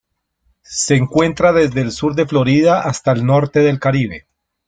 Se encuentra desde el sur de Florida hasta el norte del Caribe.